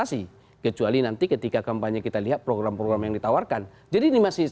sian indonesia prime news